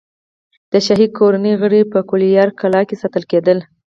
د شاهي کورنۍ غړي په ګوالیار کلا کې ساتل کېدل.